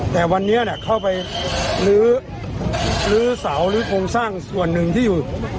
แต่วันนี้เข้าไปลื้อเสาหรือโครงสร้างส่วนหนึ่งที่อยู่